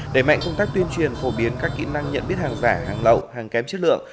đẩy mạnh công tác tuyên truyền phổ biến các kỹ năng nhận biết hàng giả hàng lậu hàng kém chất lượng